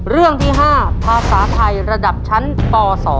เรื่องที่๕ภาษาไทยระดับชั้นป๒